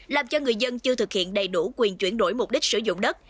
làm cho người dân chưa thực hiện đầy đủ quyền chuyển đổi mục đích sử dụng đất